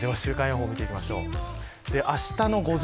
では週間予報見ていきましょう。